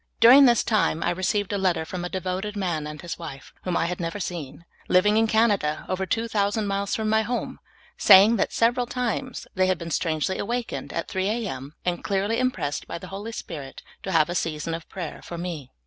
During this time, I received a letter from a devoted man and his wife, whom I had never seen, living in Canada, over two thousand miles from m} home, saying that several times they had been strangely aw^akened at 3 A. M., and clearly impressed b}' the Hoi}' Spirit to have a season of prayer for me.